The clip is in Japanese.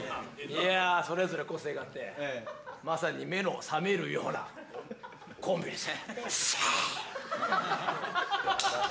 いやそれぞれ個性があってまさに目のサメるようなコンビでしたねシャ！